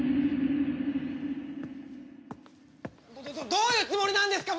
どどういうつもりなんですか？